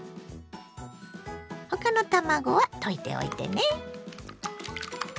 他の卵は溶いておいてね。